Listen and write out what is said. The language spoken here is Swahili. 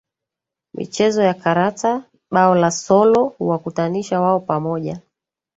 Michezo ya karata Bao la solo huwakutanisha wao pamoja